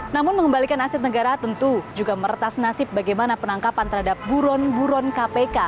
namun mengembalikan aset negara tentu juga meretas nasib bagaimana penangkapan terhadap buron buron kpk